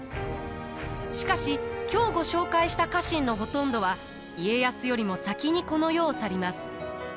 しかし今日ご紹介した家臣のほとんどは家康よりも先にこの世を去ります。